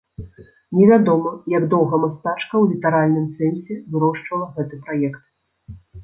Невядома, як доўга мастачка ў літаральным сэнсе вырошчвала гэты праект.